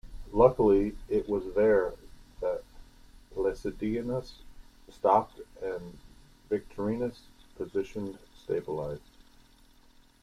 Luckily, it was there that Placidianus stopped and Victorinus' position stabilized.